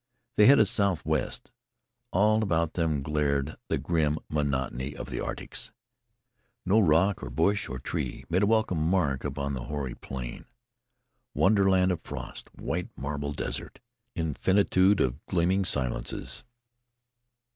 They headed southwest. All about them glared the grim monotony of the arctics. No rock or bush or tree made a welcome mark upon the hoary plain Wonderland of frost, white marble desert, infinitude of gleaming silences!